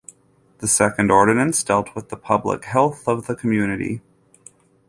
The second ordinance dealt with the public health of the community.